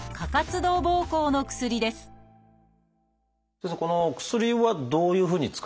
先生この薬はどういうふうに使い分けるんですか？